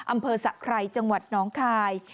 อำเภอสะไครจังหวัดน้องคาย